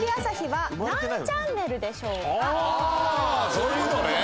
そういう事ね。